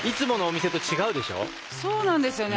そうなんですよね